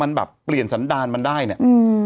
มันติดคุกออกไปออกมาได้สองเดือน